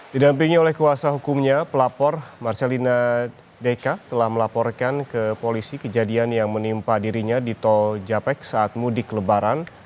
didampingi oleh kuasa hukumnya pelapor marcelina deka telah melaporkan ke polisi kejadian yang menimpa dirinya di tol japek saat mudik lebaran